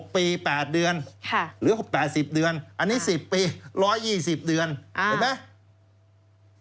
๖ปี๘เดือนหรือ๖๘๐เดือนอันนี้๑๐ปี๑๒๐เดือนเห็นไหม